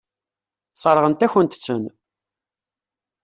Sseṛɣent-akent-ten.